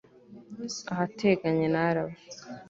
ahateganye na araba